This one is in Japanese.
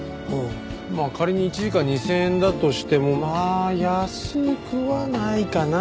まあ仮に１時間２０００円だとしてもまあ安くはないかな。